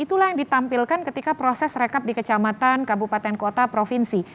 itulah yang ditampilkan ketika proses rekap di kecamatan kabupaten kota provinsi